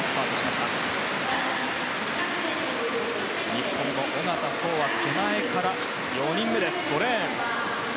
日本の小方颯は手前から４人目５レーン。